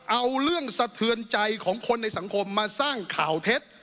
เอาเรื่องสะเทือนใจของคนในสังคมมาสร้างข่าวเท็จ